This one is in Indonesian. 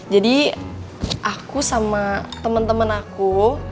jadi aku sama temen temen aku